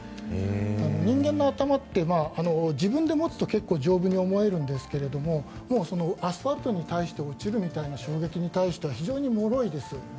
人間の頭って自分で持つと結構、丈夫に思えるんですけどアスファルトに対して落ちるみたいな衝撃に対しては非常にもろいです。